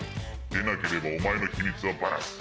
でなければお前の秘密をバラす。